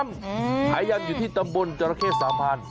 ขายันอยู่ที่ตำบลจราเข้สามพันธ